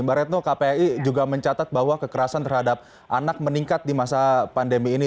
mbak retno kpi juga mencatat bahwa kekerasan terhadap anak meningkat di masa pandemi ini